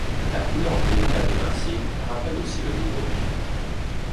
La couleur du métal de l'insigne rappelle aussi le niveau obtenu.